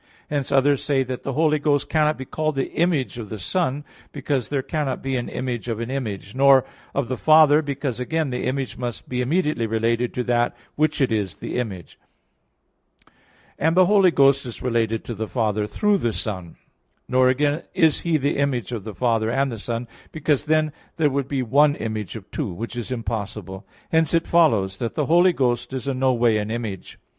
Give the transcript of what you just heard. Hence others say that the Holy Ghost cannot be called the Image of the Son, because there cannot be an image of an image; nor of the Father, because again the image must be immediately related to that which it is the image; and the Holy Ghost is related to the Father through the Son; nor again is He the Image of the Father and the Son, because then there would be one image of two; which is impossible. Hence it follows that the Holy Ghost is in no way an Image.